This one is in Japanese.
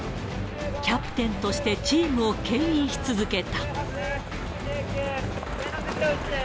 キャプテンとしてチームをけん引し続けた。